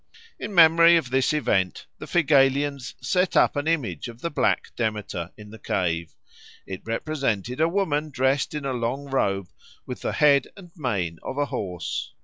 In memory of this event, the Phigalians set up an image of the Black Demeter in the cave; it represented a woman dressed in a long robe, with the head and mane of a horse.